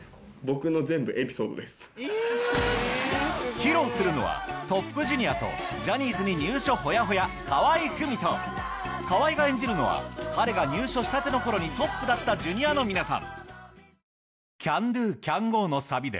披露するのはトップ Ｊｒ． とジャニーズに入所ホヤホヤ河合郁人河合が演じるのは彼が入所したての頃にトップだった Ｊｒ． の皆さん